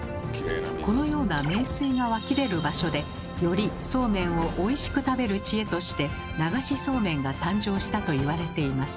このような名水が湧き出る場所でよりそうめんをおいしく食べる知恵として流しそうめんが誕生したと言われています。